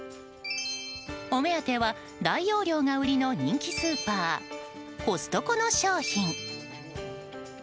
お目当ては大容量が売りの人気スーパーコストコの商品。